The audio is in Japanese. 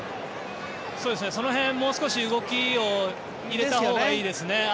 その辺もう少し動きを入れたほうがいいですね。